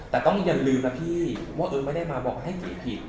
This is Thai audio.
แต่ต้องอย่าลืมนะพี่ว่าเอิ๊กไม่ได้มาบอกให้เก๋ผิด